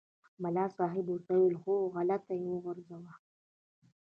ملا صاحب ورته وویل هوغلته یې وغورځوه.